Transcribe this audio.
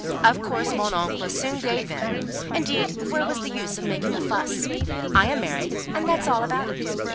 Of course, 'mon oncle' soon gave in; indeed, where was the use of making a fuss? I am married, and that's all about it.